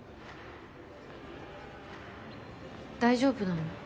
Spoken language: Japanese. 大丈夫なの？